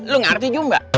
lo gak ngerti jumba